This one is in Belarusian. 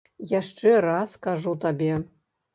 Яшчэ раз кажу табе.